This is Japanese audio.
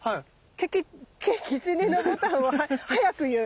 ケキケキツネノボタンをはやく言う。